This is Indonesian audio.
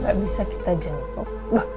gak bisa kita jenguk